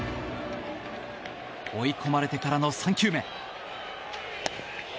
追い込まれてからの３球目。